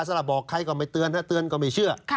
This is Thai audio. สำหรับบอกใครก็ไม่เตือนถ้าเตือนก็ไม่เชื่อ